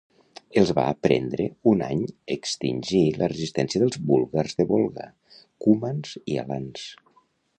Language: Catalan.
Els va prendre un any extingir la resistència dels búlgars de Volga, Cumans i Alans.